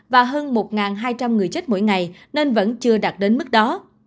và hơn một hai trăm linh người chết mỗi ngày nên vẫn chưa đạt đến mức đó